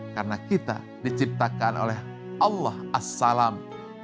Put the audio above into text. karena kita diciptakan oleh allah al jami